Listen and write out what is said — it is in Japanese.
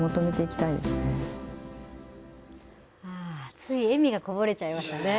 つい笑みがこぼれちゃいましたね。